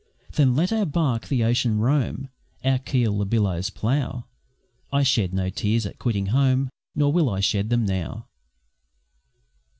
Then let our barque the ocean roam, Our keel the billows plough; I shed no tears at quitting home, Nor will I shed them now!